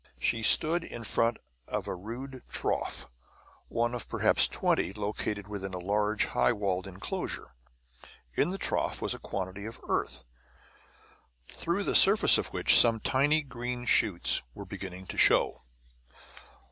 She stood in front of a rude trough, one of perhaps twenty located within a large, high walled inclosure. In the trough was a quantity of earth, through the surface of which some tiny green shoots were beginning to show.